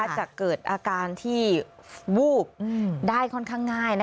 จะเกิดอาการที่วูบได้ค่อนข้างง่าย